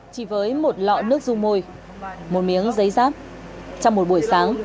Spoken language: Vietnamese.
chỉ với một lọ nước ru môi một miếng giấy giáp trong một buổi sáng